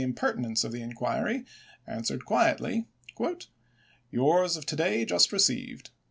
pertinence of the inquiry, answered quietly: "Yours of to day just received.